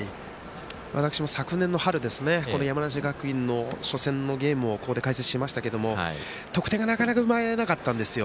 私も昨年の春山梨学院の初戦のゲームをここで解説しましたけども得点が、なかなか生まれなかったんですよ。